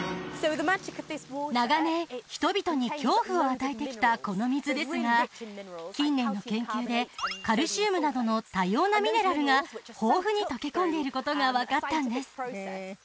長年人々に恐怖を与えてきたこの水ですが近年の研究でカルシウムなどの多様なミネラルが豊富に溶け込んでいることが分かったんです